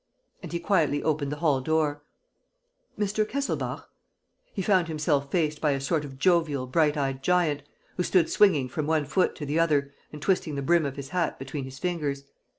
And he quietly opened the hall door. "Mr. Kesselbach?" He found himself faced by a sort of jovial, bright eyed giant, who stood swinging from one foot to the other and twisting the brim of his hat between his fingers.